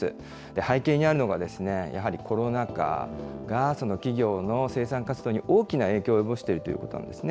背景にあるのがやはりコロナ禍が企業の生産活動に大きな影響を及ぼしているということなんですね。